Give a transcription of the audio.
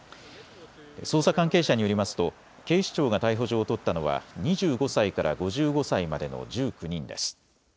捜査関係者によりますと警視庁が逮捕状を取ったのは２５歳から５５歳までの１９人です。